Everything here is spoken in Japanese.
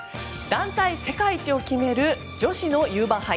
団体世界一を決める女子のユーバー杯。